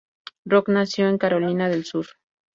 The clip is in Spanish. Rock nació en Carolina del Sur.